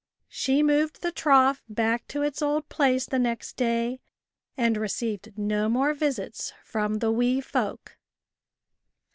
She moved the trough back to its old place the next day, and received no more visits from the wee folk.